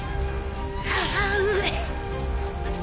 母上。